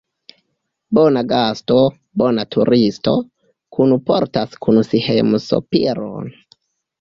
Bona gasto, bona turisto, kunportas kun si hejmsopiron.